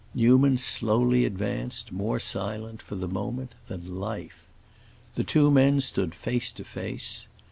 Newman slowly advanced, more silent, for the moment, than life. The two men stood face to face.